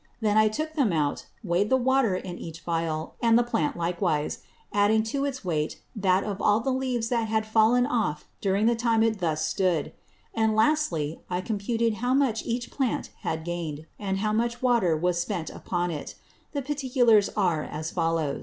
Then I took them out, weigh'd the Water in each Vial, and the Plant likewise, adding to its weight that of all the Leaves that had fallen off during the time it stood thus. And Lastly, I computed how much each Plant had gain'd; and how much Water was spent upon it. The Particulars are as follow.